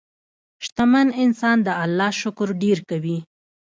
شتمن انسان د الله شکر ډېر کوي.